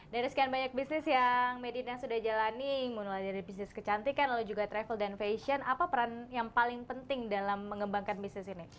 dari sekian banyak bisnis yang madina sudah jalanin mulai dari bisnis kecantikan lalu juga travel dan fashion apa peran yang paling penting dalam mengembangkan bisnis ini